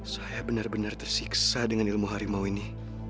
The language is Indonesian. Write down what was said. saya benar benar tersiksa dengan ilmu harimau ini